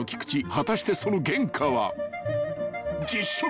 ［果たしてその原価は］